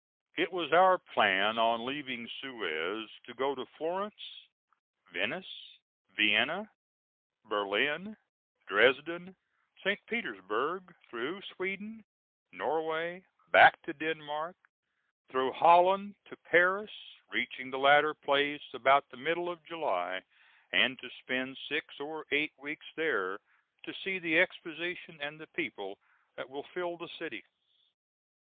It was our plan on leaving Suez to go to Florence, Venice, Vienna, Berlin, Dresden, St. Petersburgh, through Sweden, Norway, back to Denmark, through Holland to Paris, reaching the latter place about the middle of July, and to spend six or eight weeks there to see the Exposition and the people that will fill the city.